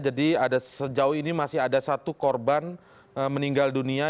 jadi sejauh ini masih ada satu korban meninggal dunia